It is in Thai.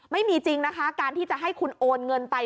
ไม่มีจริงนะคะการที่จะให้คุณโอนเงินไป